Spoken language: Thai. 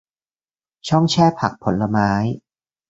ช่องแช่ผักผลไม้